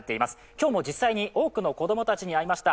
今日も実際に多くの子供たちに会いました。